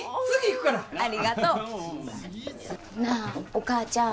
なあお母ちゃん。